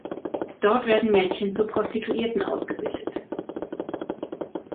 Dort werden Mädchen zu Prostituierten ausgebildet.